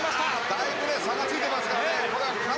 だいぶ差がついてますね。